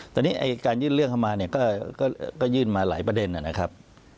ตอนนี้การยื่นเรื่องเข้ามาเนี่ยก็ยื่นมาหลายประเด็นนะครับ